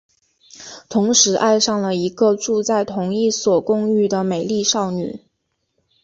同时爱上了一个住在同一所公寓的美丽少女。